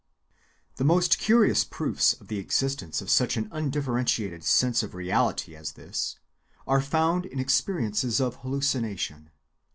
The most curious proofs of the existence of such an undifferentiated sense of reality as this are found in experiences of hallucination.